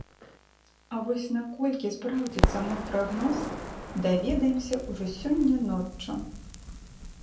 А вось наколькі спраўдзіцца мой прагноз, даведаемся ўжо сёння ноччу.